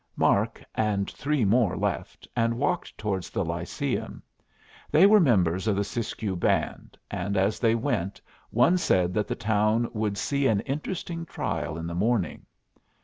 Mark and three more left, and walked towards the Lyceum. They were members of the Siskiyou band, and as they went one said that the town would see an interesting trial in the morning.